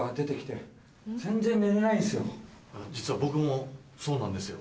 実は僕もそうなんですよ。